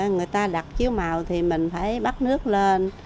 người ta đặt chiếu màu thì mình phải bắt nước lên